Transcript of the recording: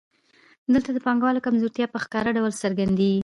دلته د پانګوال کمزورتیا په ښکاره ډول څرګندېږي